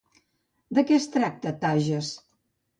De què es tracta Tages?